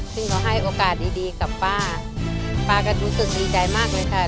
ซึ่งก็ให้โอกาสดีดีกับป้าป้าก็รู้สึกดีใจมากเลยค่ะ